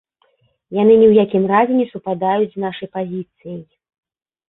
Яны ні ў якім разе не супадаюць з нашай пазіцыяй.